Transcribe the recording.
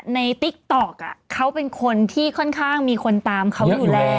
ติ๊กต๊อกเขาเป็นคนที่ค่อนข้างมีคนตามเขาอยู่แล้ว